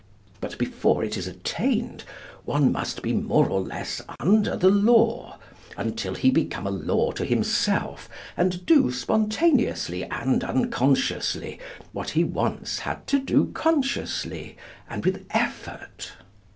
But before it is attained, one must be more or less 'under the law,' until he become a law to himself, and do spontaneously and unconsciously what he once had to do consciously, and with effort.